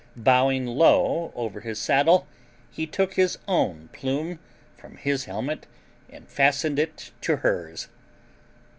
Bowing low over his saddle, he took his own plume from his helmet and fastened it to hers.